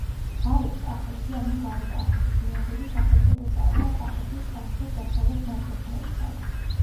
გარეთ კახეთი ანუ გარე კახეთი, გვიანდელი სახელწოდებაა და კახეთის სამხრეთ დასავლეთ ნაწილს მოიცავს.